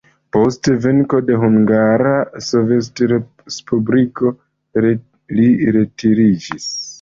Post venko de Hungara Sovetrespubliko li retiriĝis.